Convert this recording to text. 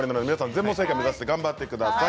全問正解目指して頑張ってください。